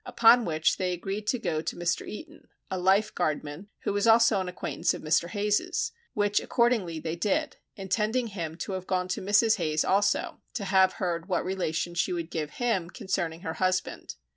Upon which they agreed to go to Mr. Eaton, a Life Guardman who was also an acquaintance of Mr. Hayes's, which accordingly they did, intending him to have gone to Mrs. Hayes also, to have heard what relation she would give him concerning her husband.